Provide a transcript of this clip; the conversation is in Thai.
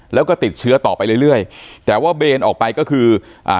แล้วก็ติดเชื้อต่อไปเรื่อยเรื่อยแต่ว่าเบนออกไปก็คืออ่า